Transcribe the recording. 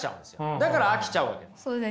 だから飽きちゃうわけです。